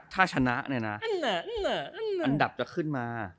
ถ้าชนะนะอันดับจะขึ้นมา